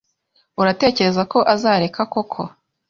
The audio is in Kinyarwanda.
Uratekereza ko azareka koko?